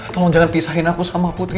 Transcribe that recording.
tolong jangan pisahin aku sama putri